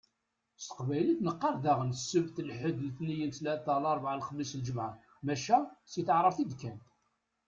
S teqbaylit neqqaṛ daɣen: Sebt, lḥed, letniyen, ttlata, larbɛa, lexmis, lǧemɛa. Maca si taɛrabt i d-kkan.